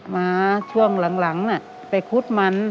มาช่วงหลังไปคุดมัน